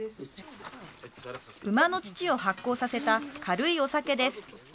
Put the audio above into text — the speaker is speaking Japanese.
馬の乳を発酵させた軽いお酒です